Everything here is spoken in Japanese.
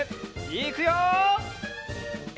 いくよ！